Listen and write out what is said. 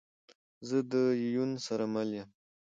زه ده یون سره مل یم